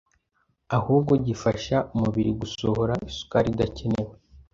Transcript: ahubwo gifasha umubiri gusohora isukari idakenewe